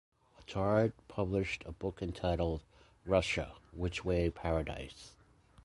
Attard published a book entitled Russia: Which Way Paradise?